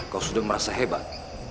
kau sudah merasa hebat